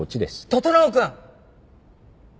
整君！